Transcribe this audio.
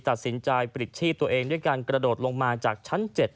ตัดสินใจปลิดชีพตัวเองด้วยการกระโดดลงมาจากชั้น๗